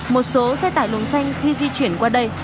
một số xe tải lống xanh khi di chuyển qua đây